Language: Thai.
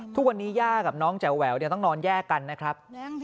ทุกวันนี้ย่ากับน้องแจ๋วแหววต้องนอนแยกกันนะครับ